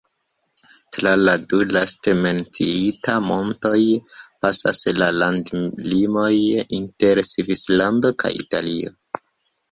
Tra la du laste menciitaj montoj pasas la landlimo inter Svislando kaj Italio.